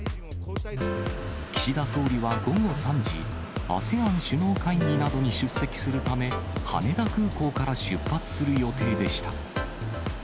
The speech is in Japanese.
岸田総理は午後３時、ＡＳＥＡＮ首脳会議などに出席するため、羽田空港から出発する予定でした。